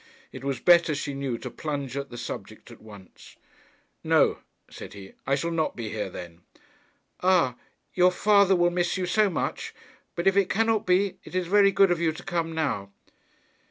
It was better, she knew, to plunge at the subject at once. 'No,' said he. 'I shall not be here then.' 'Ah, your father will miss you so much! But if it cannot be, it is very good of you to come now.